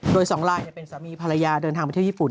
โดย๒ลายเป็นสามีภรรยาเดินทางไปเที่ยวญี่ปุ่น